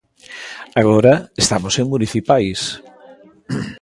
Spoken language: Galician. Agora estamos en municipais.